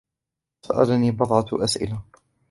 سألني بضعة أسئلة.